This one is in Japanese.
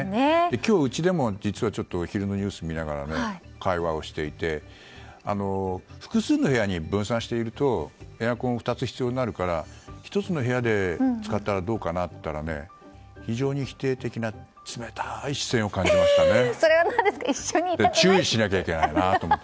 今日うちでも実は、昼のニュースを見ながら会話をしていて、複数の部屋に分散しているとエアコンが２つ必要になるから１つの部屋で使ったらどうかなと言ったら非常に否定的な冷たい視線を感じましたね。